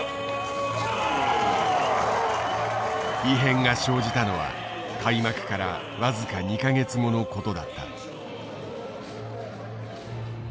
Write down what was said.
異変が生じたのは開幕から僅か２か月後のことだった。